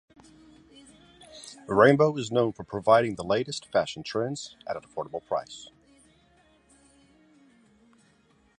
Rainbow is known for providing the latest fashion trends at an affordable price.